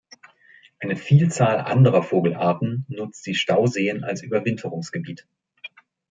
Eine Vielzahl anderer Vogelarten nutzt die Stauseen als Überwinterungsgebiet.